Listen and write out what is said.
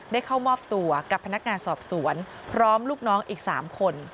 ได้เข้ามอบตัวกับพนักงานสอบสวนพร้อมลูกน้องอีก๓คน